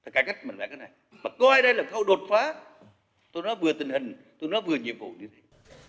cải cách mình phải như thế này mà coi đây là khâu đột phá tôi nói vừa tình hình tôi nói vừa nhiệm vụ như thế